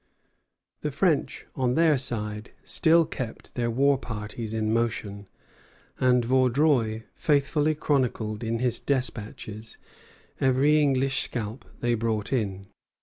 Bougainville, Journal. The French, on their side, still kept their war parties in motion, and Vaudreuil faithfully chronicled in his despatches every English scalp they brought in.